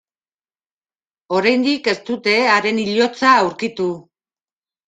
Oraindik ez dute haren hilotza aurkitu.